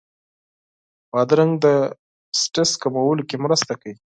بادرنګ د سټرس کمولو کې مرسته کوي.